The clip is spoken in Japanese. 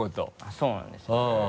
そうなんですよ今は。